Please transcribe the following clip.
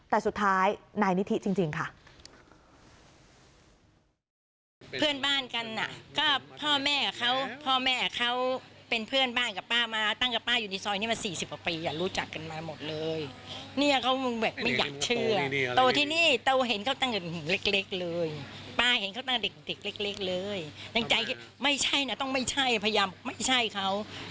แต่สุดท้ายนายนิธิจริงค่ะ